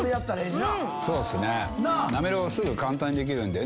なめろうは簡単にできるんで。